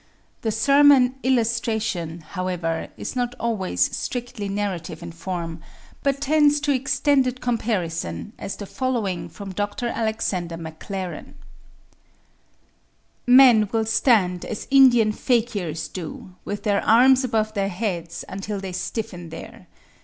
The sermon "illustration," however, is not always strictly narrative in form, but tends to extended comparison, as the following from Dr. Alexander Maclaren: Men will stand as Indian fakirs do, with their arms above their heads until they stiffen there.